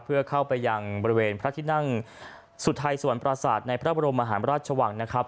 เพื่อเข้าไปยังบริเวณพระที่นั่งสุทัยสวรรค์ประสาทในพระบรมมหาราชวังนะครับ